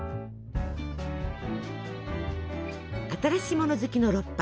新しもの好きのロッパ。